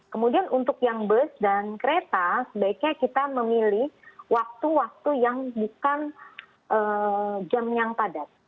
kemudian untuk yang bus dan kereta sebaiknya kita memilih waktu waktu yang bukan jam yang padat